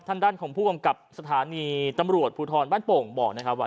ด้านของผู้กำกับสถานีตำรวจภูทรบ้านโป่งบอกนะครับว่า